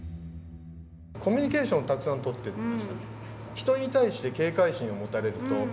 コミュニケーションをたくさんとっていました。